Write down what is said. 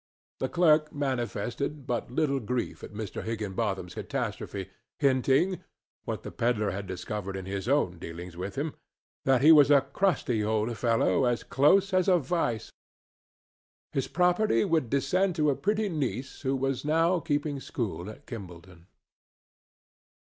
The clerk manifested but little grief at Mr. Higginbotham's catastrophe, hinting—what the pedler had discovered in his own dealings with him—that he was a crusty old fellow as close as a vise. His property would descend to a pretty niece who was now keeping school in Kimballton.